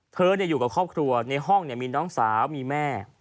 อยู่กับครอบครัวในห้องมีน้องสาวมีแม่